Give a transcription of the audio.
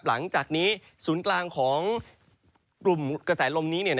หลังจากนี้ศูนย์กลางของกลุ่มกระแสลมนี้